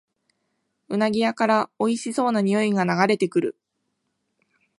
うなぎ屋からおいしそうなにおいが流れてくる